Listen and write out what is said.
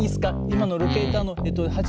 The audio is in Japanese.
今のロケーターの８２の。